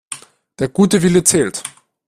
Der gute Wille zählt.